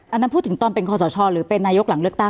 อันนั้นพูดถึงตอนเป็นคอสชหรือเป็นนายกหลังเลือกตั้ง